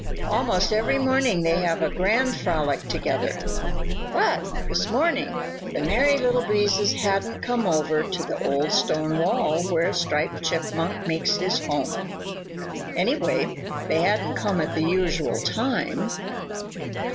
Almost every morning they have a grand frolic together. But this morning the Merry Little Breezes hadn't come over to the old stone wall where Striped Chipmunk makes his home. Anyway, they hadn't come at the usual time.